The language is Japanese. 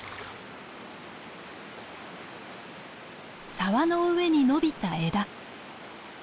沢の上に伸びた枝。